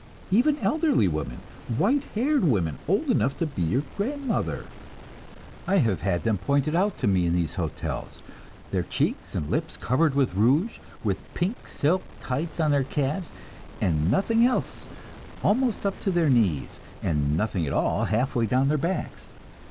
Even elderly women, white haired women, old enough to be your grandmother! I have had them pointed out to me in these hotels, their cheeks and lips covered with rouge, with pink silk tights on their calves, and nothing else almost up to their knees and nothing at all half way down their backs.